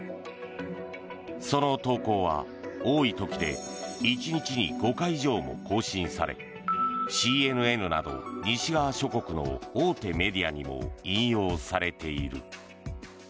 その投稿は多い時で１日に５回以上も更新されＣＮＮなど西側諸国の大手メディアにも引用されている。